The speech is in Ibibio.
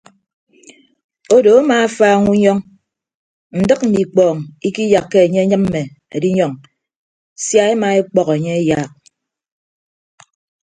Odo amaafaaña unyọñ ndịk mme ikpọọñ ikiyakka enye enyịmme edinyọñ sia ema ekpọk enye eyaak.